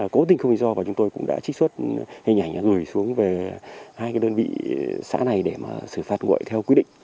cố tình không lý do và chúng tôi cũng đã trích xuất hình ảnh gửi xuống về hai đơn vị xã này để mà xử phạt nguội theo quy định